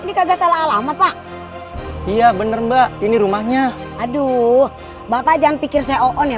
ini kagak salah alamat pak iya bener mbak ini rumahnya aduh bapak jangan pikir saya oon ya